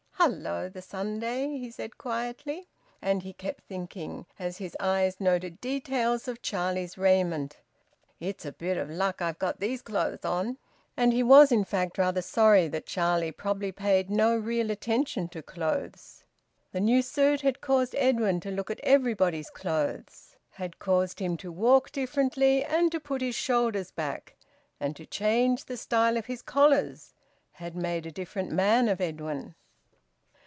"Hello! The Sunday!" he said quietly. And he kept thinking, as his eyes noted details of Charlie's raiment, "It's a bit of luck I've got these clothes on." And he was in fact rather sorry that Charlie probably paid no real attention to clothes. The new suit had caused Edwin to look at everybody's clothes, had caused him to walk differently, and to put his shoulders back, and to change the style of his collars; had made a different man of Edwin.